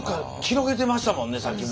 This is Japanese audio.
広げてましたもんねさっき。